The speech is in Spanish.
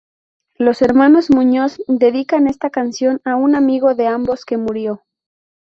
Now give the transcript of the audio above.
Los hermanos Muñoz dedican esta canción a un amigo de ambos que murió.